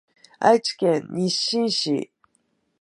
愛知県日進市